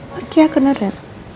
pak kia aku ngerit